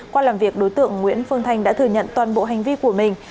qua làm việc đối tượng nguyễn phương thanh đã thừa nhận toàn bộ hành vi của mình